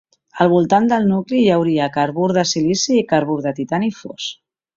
Al voltant del nucli hi hauria carbur de silici i carbur de titani fos.